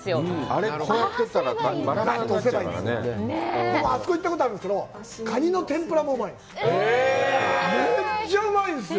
あそこ行ったことあるんですけどカニの天ぷらもうまいんです。